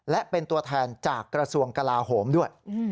และเป็นตัวแทนจากกระทรวงกลาโหมด้วย